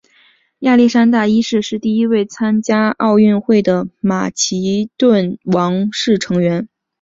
亚历山大一世是第一位参加奥运会的马其顿王室成员。